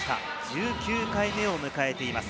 １９回目を迎えています。